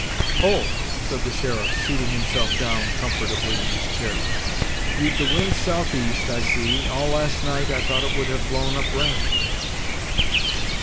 "Oh!" said the sheriff, seating himself down comfort ably in his chair, "you'd the wind southeast, I see, all last night I thought it would have blown up rain."